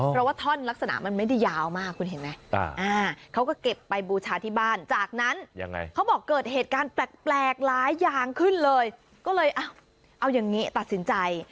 เพราะว่าท่อนลักษณะมันไม่ได้ยาวมากคุณเห็นไหมเขาก็เก็บไปบูชาที่บ้านจากนั้นเขาบอกเกิดเหตุการณ์แปลกหลายอย่างขึ้นเลยก็เลยเอาอย่างนี้ตัดสินใจ